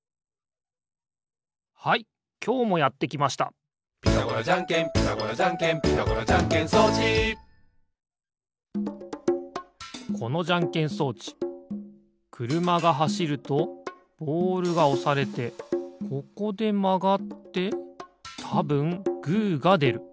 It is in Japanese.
はいきょうもやってきました「ピタゴラじゃんけんピタゴラじゃんけん」「ピタゴラじゃんけん装置」このじゃんけん装置くるまがはしるとボールがおされてここでまがってたぶんグーがでる。